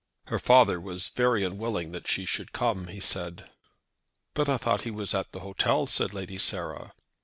"Her father was very unwilling that she should come," he said. "But I thought he was at the hotel," said Lady Sarah.